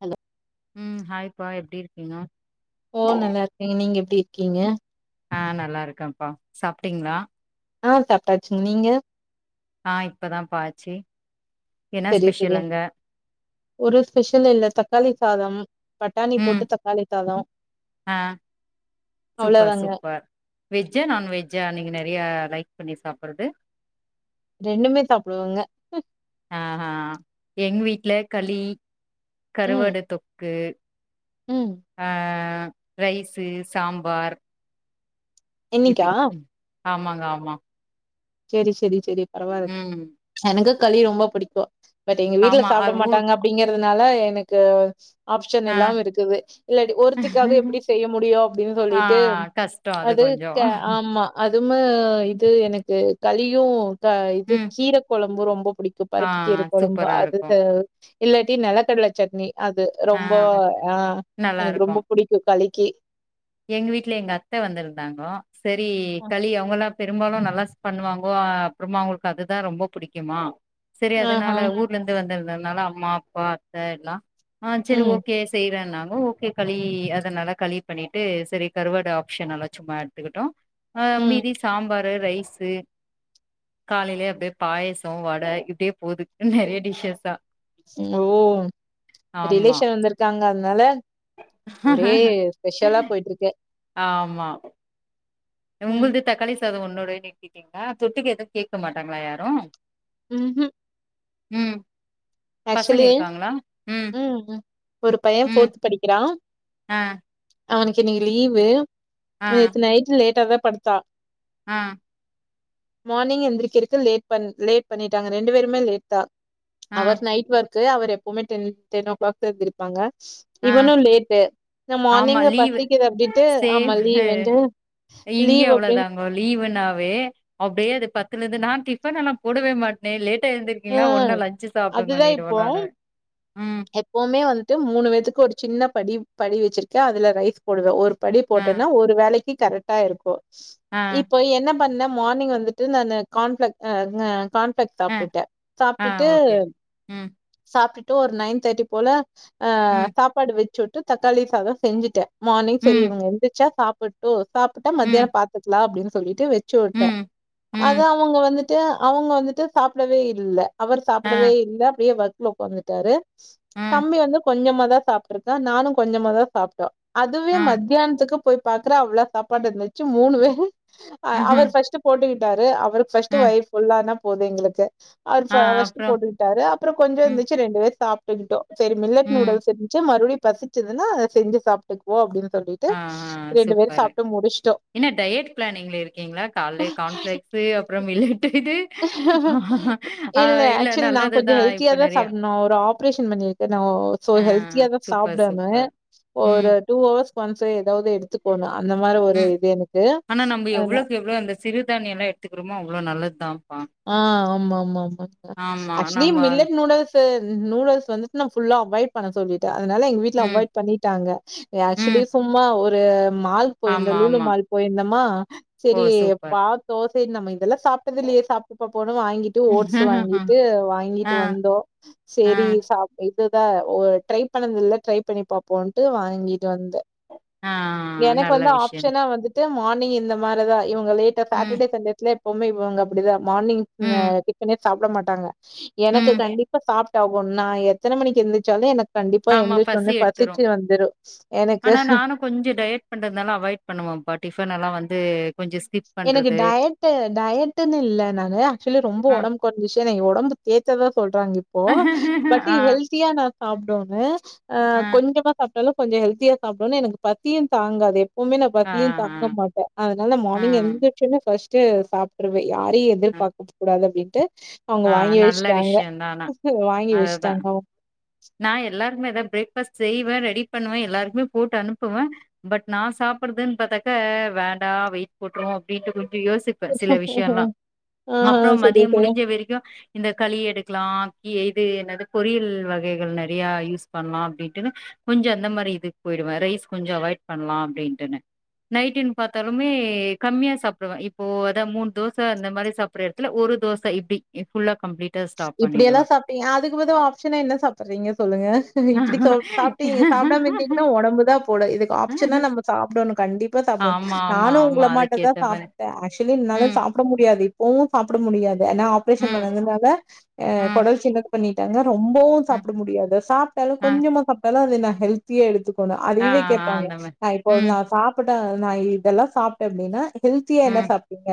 Hello ம் ஹாய்ப்பா எப்டி இருக்கீங்க ஓ நல்லா இருக்கே நீங்க எப்டி இருக்கீங்க ஆ நல்லா இருக்கேப்பா சாப்பிட்டீங்களா ஆ சாப்டாச்சு நீங்க ஆ இப்பதா பா ஆச்சு என்ன செரி ஸ்பெஷல் செரி அங்க ஒரு ஸ்பெஷலோ இல்ல தக்காளி சாதோ பட்டாணி ம் போட்டு தக் தலித்தாதோ ஆ அவ்ளோ சூப்பர் தாங்க சூப்பர் வெஜ்ஜா நான்வெஜ்ஜா நீங்க நறைய லைக் பண்ணி சாப்பிடுறது ரெண்டுமே சாப்பிடுவங்க நானா எங்க வீட்ல களி ம் கருவாடு தொக்கு ம் ஆ ரைஸு, சாம்பார் இன்னைக்கா இப்டி ஆமாங்க ஆமா செரி செரி செரி பரவாயில்ல ம் எனக்கு களி ரொம்ப பிடிக்கோ பட் எங்க வீட்ல ஆமா அ சாப்பிட ஊர் மாட்டாங்க அப்படிங்கறதுனால எனக்கு ஆப்ஷன் ஆ இல்லாம இருக்குது இல்லாடி ஒருத்திக்காக எப்டி செய்ய முடியு அப்டின்னு ஆ சொல்லிட்டு கஷ்டோ அது கொஞ்சோ க ஆமா அதும இது எனக்கு கலியு க இது ம் கீர கொழம்பு ரொம்ப புடிக் கு ஆ பருப்பு கீற கொழம்பு சூப்பரா இருக்கு அதுதா இல்லாட்டி நலக்கடல சட்னி அது ஆ ரொம்ப ஆ நல்லா எனக்கு இருக்கு ரொம்ப பிடிக் முட்ட கலக்கி எங்க வீட்ல எங்க அத்த வந்திருந்தாங்கோ செரி களி அவங்கலா பெரும்பாலு நல்லா பண்ணுவாங்கோ அப்பறமா அவங்களுக்கு அதுதா ரொம்ப புடிக்குமா செரி ஆஹா. அதுனால ஊர்ல இருந்து வந்துருந்தனால அம்மா அப்பா அத்த எல்லா ஆ செரி ம், ஓகே செய்றேன்னாங்கோ ஓகே களி அதுனால களி பண்ணிட் ட்டு செரி கருவாடு ஆப்ஷனால்லா சும்மா எடுத்துக்கிட்டோ அ ம். மீதி சாம்பரு ரைஸு காலையிலயே அப்டியே பாயாஷோ வட இப்டியே போது நெறையா டிஷ்ஸஸ்ஸா ஓ ஆமா ரிலேஷன் வந்துருக்காங்க அதுனால ஒரே ஸ்பெஷலா போயிட்ருக்கு ஆமா ம். உங்கள்து தக்காளி சாதோ ஒன்னோடன்னு எக்கிட்டீங்களா தொட்டுக்க எதுவு கேக்க மாட்டாங்களா யாரு ம் ஹும் ம் பசங்க ஆக்சுவலி இருக்காங்களா ம் ம் ஒரு பையே ஃபோர்த் படிக்கிறா அ அவனுக்கு இன்னிக்கு லீவு ஆ நேத்து நைட்டு லேட்ட தா‌ படுத்தா அ மார்னிங் எந்திரிக்கருக்கு லேட் பண் லேட் பண்ணிட்டாங்க ரெண்டு பேருமே லேட் தா ஆ அவர் நைட் ஒர்க்கு அவர் எப்பவுமே டென் டென் ஓ க்ளாக்கு எந்திரிப்பாங்க ஆ இவனு லேட்டு நா ஆமா மார்னிங்கு லீவு பசிக்குது அப்டின்டு ஆமா லீவுண்டு இங்கே அவ்ளோதாங்கோ லீவுனாவே அப்டியே அது பத்துலருந்து நா டிஃபன் எல்லா போடவே மாட் நீ லேட்டா எருந்திரிக்கீங்களா ம் ஒன்னா லஞ்சு அதுதா சாப்டுங்கனிடுவே இப்போ நானு எப்பவுமே வந்துட்டு மூணு பேர்த்துக்கு ஒரு சின்ன படி படி வெச்சுருக்கே அதுல ரைஸ் போடுவே ஒரு படி ஆ போட்டன்னா ஒரு வேலைக்கி கரெக்டா இருக்கு ஆ இப்ப என்னப் பண்ணே மார்னிங் வந்துட்டு நானு கான் ஃப்ளெக்கு அ கான் ஃப்ளெக் ஆ சாப்ட்டுட்டே ஆ சாப்ட்டுட்டு ஓகே ம் சாப்ட்டுட்டு ஒரு நைன் தேர்ட்டி போல அ ம் சாப் சாப்பாடு வெச்சு வுட்டு தக்காளி சாதோ செஞ்சுட்டே மார்னிங் செரி ம் இவங்க எந்திர்ச்சா சாப்புட் ஓ சாப்புட்ட ம் மத்தியானோ பாத்துக்கலா அப்டின் சொல்லிட்டு வெச்சு வுட்டே ம் அத ம் அவுங்க வந் வந்துட்டு அவுங்க வந்துட்டு சாப்டவே இல்ல அவரு ஆ சாப்புடவே இல்ல அப்டியே ஒர்க்ல உக்காந்துட்டாரு ம் தம்பி வந்து கொஞ்சமாதா சாப்ட்ருக்கா நானு கொஞ்சமாதா சாப்ட்டோ அதுவே ஆ மத்தியான்துக்கு போய் பாக்குறோ அவ்ளோ சாப்பாடு இருந்துச்சு மூணு பேரும் அ அவரு ம்ஹூம் ஃபர்ஸ்ட்டு போட்டுக்கிட்டாரு அவருக்கு ஃபர்ஸ்ட் ஆ வயிரு ஃபுல்லானா போது எங்களுக்கு அவரு ஃப ஆ ஃபஸ்ட்டு அப்புறம் போட்டுகிட்டாரு அப்றோ கொஞ்சோ ம், இருந்துச்சு ரெண்டு பேரு சாப் ட்டுக்கிட்டோ சேரி மில்லட் ம். நூடுல்ஸ் இருந்துச்சு மறுபடியு பசிச்சுதுன்னா செஞ்சு சாப்ட்டுக்குவோ அப்டின் சொல்லி ஆ ஆ சூப்பரு என்ன டயட் பிளனிங்ல இருக்கீங்ளா கால்லே கான்பிளெக்ஸ் க்ஸு அப்பறோ மில்லட்டேட்டு இல்ல ஆக்சுவலி நா கொஞ்சோ நல்லதுதான் ஹல்த்தியா இப்ப தா நெறையா. சாப்புட்னு ஒரு ஆப்ரேஷன் பண்ணி இருக் க்கு நோ சோ ஆ ஹெல்த்தியாதா சூப்பர், சாப்டனு சூப்பர். ம், ஒரு டூ அவர்ஸ் ஒன்ஸ் எதாவது எடுத்துக்கணு அந்த மாரி ஒரு ம். இது எனக்கு அதா சிறுதானியோல்லா எடுத்துக்குறோமோ அவ்ளோ நல்லதுதாம்பா ஆ ஆமா ஆமா ஆமா ஆக்சுவலி நம்ம அந்த- மில்லட் நூடுல்ஸ் த்து நூடுல்ஸ் வந்துட்டு நா ஃபுல்லா அவாய்ட் பண்ண சொல்லிட்டே அதுனால எங்க வீட்ல ம், அவாய்ட் பண்ணிட்டாங்க ம். ஆக்சுவலி சும்மா ஒரு மால் போயிருந்தோ ஆமா, லுலு ஆமா. மால் போயிருந்தம்மா ஓ செரி சூப்பர். பாத்தோ செரி நம்ம இதெல்லா சாப்ட்டதில்லையே சாப் இப்பக் கூட வாங்கிட்டு ஓட்ஸ் வாங்கிட்டு ஆ, வாங்கிட்டு வந்தோ ஆ, செரி சாப் இதுதா ஒ ட்ரை பண்ணது இல்ல ட்ரை பண்ணி பாப்போன்ட்டு வாங்கிட்டு வந்தே ஆ எனக்கு நல்ல வந்து விஷயம். ஆப்ஷனா வந்துட்டு மார்னிங் இருந்த மாரிதா இவுங்க லேட்டா ம், சாப்ட்டுட்டு செஞ்சட்லே [unintelligible] பாங்க அப்புடிதா மார்னிங் இந்த ம், டிஃபனே சாப்ட மாட்டாங்க ம். எனக்கு கண்டிப்பா சாப் ஆகு நா எத்தன மணிக்கு எந்திச்சாலு எனக் கண்டிப்பா ஆமா பசி எந்திச்சொன்னே எடுத்துரும். பசிச்சு வந்துரு எனக்கு கொஞ்ச டயட் பண்றதுனால அவாய்ட் பண்ணுவம்ப்பா டிஃபன் எல்லா வந்து கொஞ்சோ ஸ்கிப் எனக்கு பண்றது டயட்டு டயட்டுன்னு இல்ல நானு ஆக்சுவலி ரொம்ப ஆ ஒடம்பு கொறஞ்சுச்சு என்ன ஒடம்ப தேத்ததா சொல்றாங்க இப்போ பட் ஆ ஹெல்த் தியா நா சாப்டோனு ஆ கொஞ்சமா சா ப்டாலு கொஞ்ச ஹெல்தியா சாப்டோனே எனக்கு பசியு தாங்காது எப்பவுமே நா ஆ பசியு தாங்க மாட்ட அதனால மா ஆ பசிச்சின்னா ஃபஸ்டு சாப்ட்ருவ யாரையு எதிர் ஆ பாக்க கூடாது அப்டின்ட்டு அவங்க ஆ வாங்கி நல்ல வெச்ட்டாங்க விஷயந்தா ஆனா வாங்கி அதுதா வெச்ட்டாங்க அவங்க நா எல்லாருக்குமேதா பிரேக் ஃபாஸ்ட் செய்வ ரெடி பண்ணுவ எல்லாருக்குமே போட்டு அனுப்புவ பட் நா சாப்புடுறதுன் பாத்தாக்க வேண்டா வெயிட் போட்ருவோ அப்டின்ட்டு கொஞ்ச யோசி ப்ப சில விஷயல்லா ஆஹ அப்புறம் சரி, மதிய சரி. முடிஞ்ச வெரைக்கு இந்த களி எடுக்லா இது என்னது பொரியல் வகைகள் நெறையா யூஸ் பண்லா அப்டின்ட்டுனு கொஞ்ச அந்த மாரி இதுக்கு போயிடுவே ரைஸ் கொஞ்சோ அவாய்ட் பண்லா அப்டின்ட்டுனு நைட்டின் பாத்தாலுமே கம்மியா சாப்டுவே இப்போ அதா மூண் தோச அந்த மாரி சாப் பற எடத்துல ஒரு தோச இப்டி ஃபுல்லா கம்ப்ளீட் இப்டியெல்லா சாப்ட்டிங்க அதுக்கு பது ஆப்ஷனா என்ன சாப்பறிங்க சொல்லுங்க நீங்க இப்டி கோ சாப்ட்டி சாப்டாம இருந்திங்கன்னா ஒடம்புதா போடு இதுக்கு ஆப்ஷனா நம்ம சாப்டணு கண்டிப் பா சாப்டன் ஆமா ஆமா நானு ஆமா உங்கள மாட்டதா அதுக்கேத்த மாரி சாப் ஆக்சுவலி என்னால ம் சாப்பட முடியாது இப்பவு சாப்பட முடியாது ஏன்னா ஆப்ரேஷன் ம் பண்ணுதுனால அ ம் கொடல் சின்னது பண்ணிட்டாங்க ரொம்பவு ம் சாப்பட முடியாது சாப்ட்டாலு ஆ கொஞ்சமா சாப்ட்டாலு அது ந ஹெல்த் தியா எடுத்துக்கனு ஆ அதையவே ஆ கேப்பாங்க அந்த மாரி நா இப்போ ம் நா சாப்புட்டே நா இதெல்லா சாப்ட்ட அப்டின்னா ஹெல்த்தியா என்ன ம் சாப்ட்டிங்க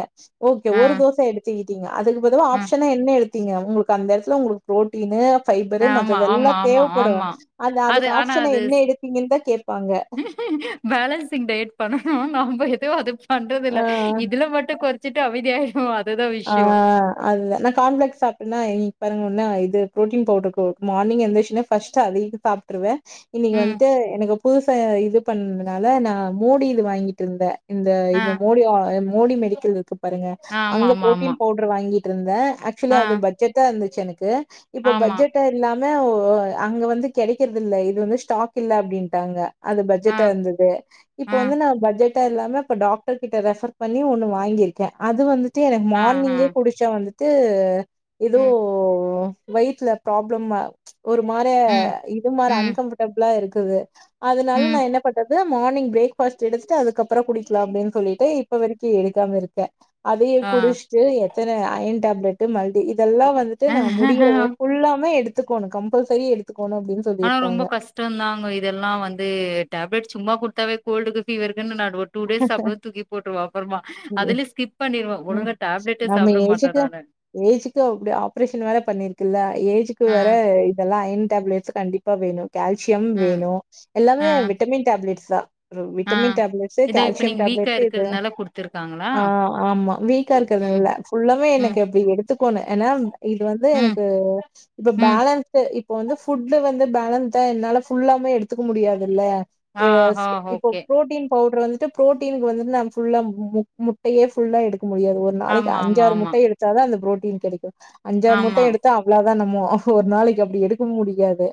ஓகே ஆ ஒரு தோச எடுத்துக்கிட்டிங்க அதுக்கு பதுவா ஆ ஆப்ஷனா என்ன எடுத் திங்க உங்ளுக்கு அந்த எடத்துல உங்ளுக் ப்ரோட்டீனு ஃபைபரு ஆமா மத்தது எல்லா ஆமா ஆமா தேவப்படு ஆமா அந்த அது அதுக்கு ஆனா ஆப்ஷனா அது என்ன எடுத்திங்கன்தா கேப்பாங்க பேலன்சிங் டயட் பண்ணணு நாம்ப எது அது பண்றதில்ல ஆ இதுல மட்டு கொறச்சுட்டு அமைதியாயிடுவோ ஆ அதுதா நா கான்ஃப்ளக்ஸ் சாப்ட்டனா இன்னிக் பாருங்க இன்ன இது ப்ரோட்டின் பவுடருக் மார்னிங் எந்துருச்சொனே ஃபஸ்ட் அதய சாப்ட்ருவே இன்னைக்கு ம். வந்ட்டு எனக்கு புதுசா இது பண்துனால நா மோடி இது வாங்கிட்ருந்த இந்த ஆ. இந்த மோடியா மோடி மெடிக்கல் இருக்கு பாருங்க ஆ. ஆமா, அங்க ஆமா, ஆமா. பவுட்ரு வாங்கிட்ருந்த ஆக்சுலி ஆ. அது பட்ஜட்டா இருந்துச்சு எனக்கு இப்போ ஆமா. பட்ஜட்டா இல்லாம அங்க வந்து கெடைக்குறது இல்ல இது வந்து ஸ்டாக் இல்ல அப்டின்ட்டாங்க அது ஆ. பட்ஜட்டா இருந்தது இப்ப ஆ. வந்து நா பட்ஜட்டா இல்லாம இப்ப டாக்டர் கிட்ட ரெஃபர் பண்ணி ஒண்ணு வாங்கிருக்கே அது வந்துட்டு எனக்கு ஆ. ஆ. மார்னிங்கே குடிச்சா வந்துட்டு எதோ ம். வயித்துல ப்ராப்ளம்மா ஒரு மார ம். இது மாரி ம். அன்கம்ஃபர்டபிளா இருக்குது அதுனால நா ம். என்ன பண்றது மார்னிங் பிரேக் ஃபாஸ்ட் எடுத்துட்டு அதுக்கப்பறோ குடிக்கலா அப்டின் சொல்லிட்டு இப்ப வரைக்கி எடுக்காம இருக்க அதய ஆ. குடிச்ட்டு எத்தன அயன் டேப்லெட்டு மல்டி இதெல்லா இ வந்துட்டு நா முடியறது ஃபுல்லாமே எடுத் த்துக்கோணு கம்பல்சரி எடுத்துக்கோணு அப்டின் ஆனா ரொம்ப கஷ்டந்தாங்க இதெல்லா வந்து டேப்லெட் சும்மா குடுத்தாவே கோல்டுக்கு ஃபீவருக்குன்னு நா ஒரு டூ டேஸ் சாப்டுவ தூக்கி போட்டுவ அப்பறமா ம், அதுலி ஸ்கிப் பண்ணிருவ ம். ஒழுங்கா டேப்லெட்டே நம்ம சாப்ட மாட்ட ஏஜுக்கு நானு ஏஜுக்கு அப்டி ஆப்ரேஷ வேற பண்ணிருக்குல்ல ஏஜுக்கு ஆ. வேற இதெல்லா அயன் டேப்லெட்ஸு கண்டிப்பா வேணு கேல்சியம் ம். வேணு எல்லாமே ஆ. விட்டமின் டேப்லெட்ஸ் தா ஆ விட்டமின் டேப்லெட் இதோ இப்ப கெல்சியம் நீங்க வீக்கா டேப்லெட்டு இது இருக்கிறதுனால குடுத்துருக்காங்களா ஆ ஆமா வீக்கா ம் இருக்கிறதுல்ல ஃபுல்லமே ம் எனக்கு அப்டி எடுத்துக்கணு ஏனா இது வந்து ம் எனக்கு இப்ப ம் பேலன் இப்ப வந்து ஃபுட் வந்து பேலன்சா என்னால ஃபுல்லாமே எடுத்துக்க முடியாதுல ஆ எஸ் ஹா இப்போ ஓகே புரோ பவுடர் வந்துட்டு ப்ரோட்டின்க்கு வந்துடு நா ஃபுல்லா மு முட்டயே ஃபுல்லா எடுக்க முடியாது ஒரு ஒரு நாளைக்கு ஆமா ஆமா அஞ்சாறு ஆமா முட்டைய எடுத்தா தா அந்த ப்ரோட்டின் கெடைக்கு அஞ்சாறு ஆமா முட்டைய எடுத்தா அவ்ளோதா நமோ ஒரு நாளைக்கு அப்டி எடுக்க முடியாது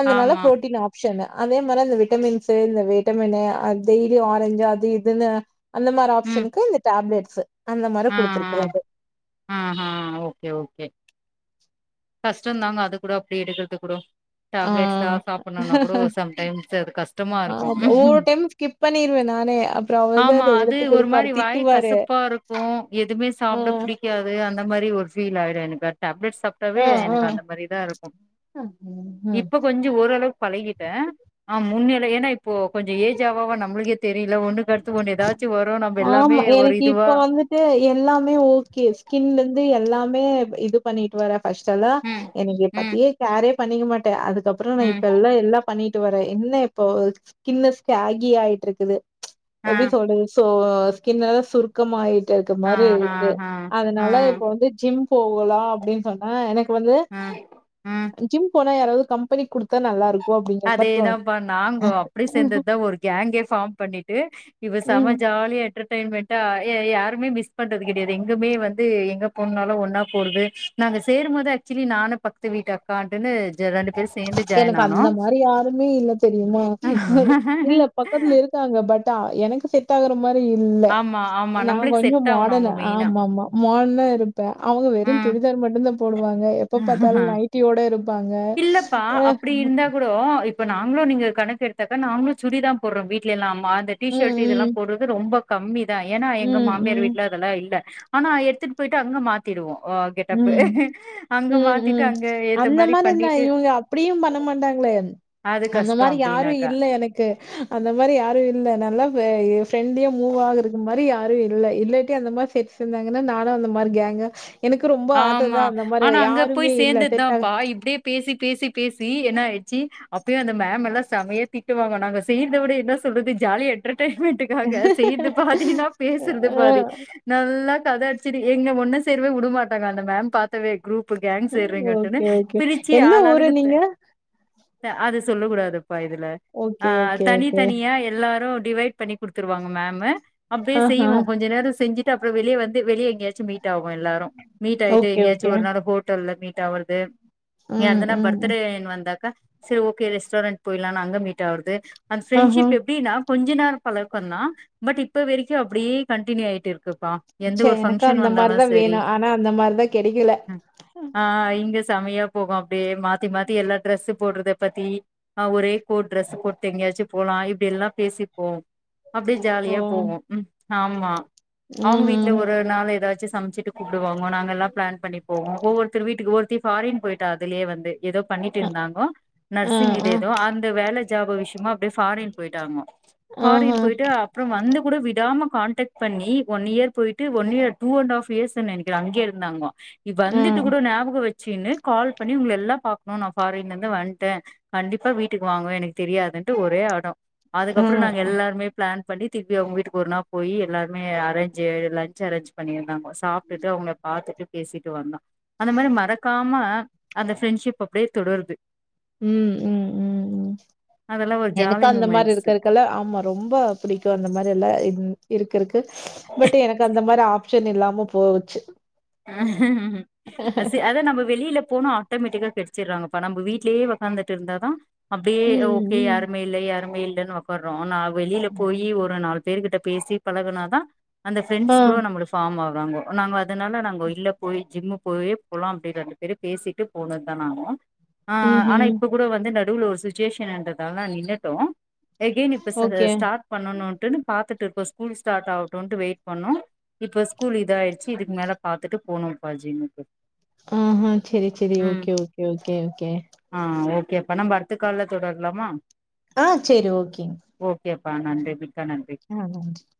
அதுனால ஆமா ப்ரோட்டின் அப் ஆப்ஷனு அதே மாரி அந்த விட்டமின்ஸு இந்த விட்டமினு டெய்லி ஆரஞ்சு அது இதுனு அந்த மாரி ம் ஆப்ஷனுக்கு இந்த டேப்லெட்ஸு அந்த மாரி ஆ ஆ குடுத்துருக்குறாங்க ஆ ஹ ஓகே ஓகே கஷ்டந்தாங்க அது கூட அப்டி எடுக்குறது கூட டேப்லெட்ஸா ஆ சாப்புணுனா கூட சம்டைம்ஸ் அது கஷ்டமா ஆமா. ஒவ்வொரு இருக்கு டைமும் ஸ்கிப் பண்ணிருவேன் நானே. அப்புறம் அவரு தான் ஆமா அத அது எடுத்து ஒரு குடுப்பாரு. மாரி வாய் திட்டுவாரு. கசுப்பா இருக் கு எதுமே ஆ. சாப்ட புடிக்காது அந்த மாரி ஒரு ஃபீல் ஆயிடு எனக்கு டப்லெட் சாப் ப்பவே ஆ, ஆ. எனக்கு அந்த மாரிதா இருக்கு ம், ம். இப்ப கொஞ்சோ ஓரளவுக்கு பழகிட்ட ஆ முன்னில ஏனா இப்போ கொஞ்சோ ஏஜ் ஆவாவா நம்மளுக்கே தெரில ஒண்ணுக்க சு எதாச்சு ஒண்ணு ஏதாச்சு வரு நம்ம எல்லாமே ஒரு இதுவா கே எல்லாமே ஓகே ஸ்கின்ல இருந்து எல்லாமே இது பண்ணிட்டு வர ஃபஷ்டல்லா ம் எனக்கு ம் பத்தியே கேரே பண்ணிக்க மாட்ட அதுக்கப்புறோ நா ம் இப்ப எல்லா எல்லா பண்ணிட்டு வர என்ன இப்போ ஸ்கின்னு ஸ்ககி ஆயிட்டு இருக்குது ஆ எப்டி சொல்றது சோ ஸ்கின்ன சுருக் கமா ஆயிட்டு இருக்க ஆ மாரி ஆ இருக்கு ஆ ஆ அதனால இப்ப வந்து ஜிம் போவலா அப்டின் சொன்ன எனக்கு வந்து ம் ஜிம் போனா யாராவது கம்பெனி குடுத்தா நல்லா இருக்கு அப்டிங்கிற மாரி தோணு அதேதாப்பா நாங்க அப்டி ம் சேந்ததுதா ஒரு கேங்கே ஃபாம் பண்ணிட்டு இவ செம ம் ஜாலியா ட்ரிப் என்ஜாமெண்டா ய யாருமே மிஸ் பண்றது கெடையாது எங்குமே வந்து எங்க போனாலு ஒன்னா போறது நாங்க சேரும்போது ஆக்சுவலி நானு பக்கத்து வீட்டு அக்காடுனு எனக்கு அந்த மாரி யாருமே இல்ல தெரிமா இல்ல பக்கத்துல இருக்காங்க பட் எனக்கு செட் ஆகுற மாரி இல்ல ஆமா, ஆமா. நா நம்பளுக்கு கொஞ்சோ செட் ஆவணும் மாடன் அவங்க மெயினா. ஆமா ஆமா மாடனா இருப்பே அவங்க வெறு ம். சுடிதார் மட்டுந்தா போடுவாங்க எப்ப பாத்தாலு நைட்டி யோட இருப்பாங்க இல்லப்பா அ அப்டி இருந்தா கூடொ இப் இப்ப நாங்களு நீங்க கணக்கு எடுத்தாக்க நாங்களு சுடிதா போடுறோ வீட்டுலல்லா அந்த டிஷர்ட் இதெல்லா ம் போடுறது ரொம்ப கம்மிதா ஏனா ம் எங்க ம் மாமியார் ம் வீட்ல அதெல்லா இல்ல ஆனா எடுத்துட்டு போயிட்டு அங்க மாத்திடுவோ கெட்டப்பு ம் அங்க மாத்திட்டு அங்க ஏத்த மாரி த பண்ணிட்டு இவங்க அப்டியு பண்ண மாட்டாங்கள அது அந்த கஷ்டம் மாரி யாரு அப்டின்னாக்கா. இல்ல ல எனக்கு அந்த மாரி யாரு இல்ல நல்லா அ பிரெண்ட்லியா மூவ் ஆக இருக்கு மாரி யாரு இல்ல இல்ல அந்த மாரி செரிச்சிருந்தாங்கன்னா நானு அந்த மாரி கேங்கா எனக்கு ரொம்ப ஆமா. ஆததா அந்த மாரி ஆனா அங்க போய் யாருமே இல்ல டெத்தாக சேர்ந்ததுதான்ப்பா. இப்படியே பேசி பேசி பேசி என்ன ஆயிடுச்சு அப்பயு அந்த மம் எல்லா செம்மயா தீட்டுவாங்குனா நாங்க செய்த விட இதா சொல்றது ஜாலியா என்டர்டெய்ன்மெண்ட் நாங்க செய்றது பாதினா அ பேசுறது பாதி நல்லா கத அடிச்சுட்டு எங்க பொன்ன சரி வுடமாட்டாங்க அந்த மேம் பாத்தாவே க்ரூப் இப்ப கேங் ஆ சேர்றீங்கன்னு ஓகே, ஓகே. பிரிச்சு எந்த ஆள் ஊரு ஆளுக்கு நீங்க? அது சொல்ல கூடாதுப்பா இதுல ஆ ஓகே, ஓகே, தனி ஓகே. தனியா எல்லாரு டிவைட் பண்ணி குடுத்துருவாங்க மேம்மு அப்டியே ஆஹா. செய்வோ கொஞ்ச நேரோ செஞ்சுட்டு அப்றோ வெளிய வந்து வெளிய எங்கயாச்சு மீட் ஆகு எல்லாரு மீட் ஆயிட்டு ஓகே, எங்கேயாச்சு ஓகே. ஒரு நாள் ஹோட்டல்ல மீட் ஆவறது ம், யாதுனா ம். பர்த்டேனு வந்தாக்கா சரி ஓகே ரெஸ்டாரண்ட் போய்லா அங்க மீட் ஆவர்து அந்த ஆஹா. ஃரெண்ட்ஷிப் எப்டினா கொஞ்ச நேரோ பழக்கோந்தா பட் இப்ப வரைக்கு அப்டியே கண்டடினியூ ஆயிட்டு இருக்குப்பா எந்த ச ஒரு எனக்கு ஃபங்க்ஷன் அந்த வந்தாலு மாரிதா செரி வேணு ஆனா அந்த மாரிதா கெடைக்கல ஆ இங்க செம்மையா போகு அப்டியே மாத்தி மாத்தி எல்லா ட்ரெஸ் போடுறத பத்தி் ஒரே கோ ட்ரெஸ் போட்டு எங்கயாச்சு போலா இப்டியல்லா பேசிப்போ அப்டி ஓ! ஜாலியா போவோம் ஆம்மா அவங்க வீட்ல ம்ஹ்ம். ஒரு நாள் ஏதாச்சு சமைச்சு சாப்ட கூப்டுவாங்க நாங்கெல்லா ப்ளான் பண்ணி போவோ ஒவ்வருத்தர் வீட்டுக்கு ஒருத்தி ஃபாரின் போய்ட்டா அதுலே வந்து ஏதோ பண்ணிட்டு அ, இருந்தாங்கோ ஆ, நர்சிங் இது ஆ. ஏதோ அந்த வேல ஜாப் விஷ்யமா ஃபாரின் போயிட்டாங்கோ ஆஹா. ஃபாரின் போயிட்டு அப்பறோ வந்து கூட விடாம காண்டக்ட் பண்ணி ஒன் இயர் போய்ட்டு one year two and half years நைக்கிற அங்கே இருந்தாங்கோ இ ம், வந்துட்டு கூட ம், ஞாபகோ வெச்சு கினு கால் பண்ணி உங்கள எல்லா பாக்கணு நா ஃபாரின்ல இருந்து வந்ட்டே கண்டிப்பா வீட்டுக்கு வாங்கோ எனக் தெரியாதுன்ட்டு ஒரே அடோ ம், அதுக்கப்றோ நாங்க எல்லாருமே ப்ளான் பண்ணி திருப்பி அவங் வீட்டுக்கு ஒரு நா போயி எல்லாருமே அரேஞ்ச் லன்ச் அரேஞ்ச் பண்ணிருந்தாங்கோ சாப் ட்டுட்டு அவங்கள பாத்துட்டு பேசிட்டு வந்தோ அந்த மாரி மறக்காம அந்த ஃப்ரெண்ட்ஷிப் அப்டியே தொடருது உம் உம் உம் உம் அதெல்லா ஒரு எனக்கு ஜாலி அந்த மாரி மூமெண்ட்ஸு இருக்க இருக்கு ஆமா ரொம்ப புடிக்கு அந்த மாரி எல்லா இருக்கற்க்கு பட் எனக்கு அந்த மாரிலா ஆ ப்ஷன் இல்லாம போச்சு அ ஹ அ ச அதா நம்ம வெளில போனா ஆட்டோமேட்டிக்கா கெடிச்சிறாங்கப்பா நம்ம வீட்லயே ஒக்காந்துட்டு இருந்தா தா அப்டியே ம் ம் ஓகே ம் யாருமே இல்ல யாருமே இல்லைன்னு உக்காறோ நா வெளில போயி ஒரு நாலு பேர் கிட்ட பேசி பழகுனாதா அந்த ஆ பிரெண்ட்ஸ் கூட நம்ளுக்கு ஃபார்ம் ஆவாங்கோ நாங்க அதனால அங்க இல்ல போயி ஜிம்மு போயே போலா அப்டின்னு ரெண்டு பேரு பேசிட்டு போனதுதானாகு ஆ ம் ஆனா ம் இப்ப கூட வந்து நடுவுல ஒரு சுச்சுவேஷன்றதால நின்னுட்டோ எகேன் இப்ப ச ஓகே ஸ்டார்ட் பண்ணனுட்டு பாத்துட்டு இப்போ ஸ்கூல் ஸ்டார்ட் ஆகட்டுன்டு வெயிட் பண்ணோ இப்ப ஸ்கூல் இதாய்டுச் சி இதுக்மேல பாத்துட்டு போனோ பா ஜிம்முக்கு ஆ ஹ சரி சரி ம் ஓகே ஓகே ஓகே ஓகே ஆ ஓகே இப்ப நம்ப அடுத்த கால்ல தொடரலாமா ஆ சேரி ஓகேங் ஓகேப்பா நன்றி மிக்க நன்றி ஆ [unintelligible]